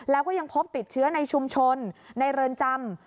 แล้วก็ยังพบติดเชื้อในชุมชนในเรือนจำ